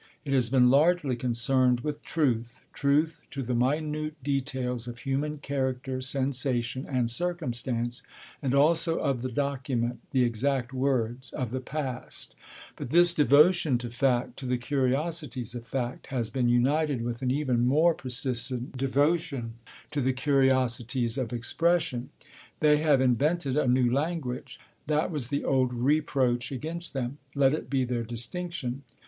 It has been largely concerned with truth truth to the minute details of human character, sensation, and circumstance, and also of the document, the exact words, of the past; but this devotion to fact, to the curiosities of fact, has been united with an even more persistent devotion to the curiosities of expression. They have invented a new language: that was the old reproach against them; let it be their distinction.